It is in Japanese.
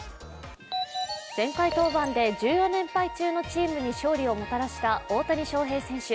前回登板で１４連敗中のチームに勝利をもたらした大谷翔平選手。